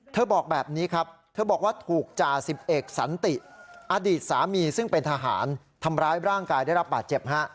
บอกแบบนี้ครับเธอบอกว่าถูกจ่าสิบเอกสันติอดีตสามีซึ่งเป็นทหารทำร้ายร่างกายได้รับบาดเจ็บฮะ